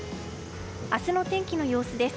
明日の天気の様子です。